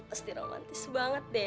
pasti romantis banget deh